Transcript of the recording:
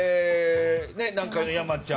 南海の山ちゃん